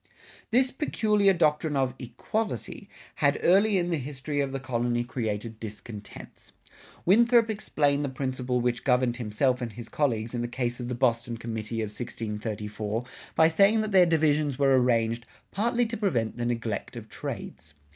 [62:1] This peculiar doctrine of "equality" had early in the history of the colony created discontents. Winthrop explained the principle which governed himself and his colleagues in the case of the Boston committee of 1634 by saying that their divisions were arranged "partly to prevent the neglect of trades."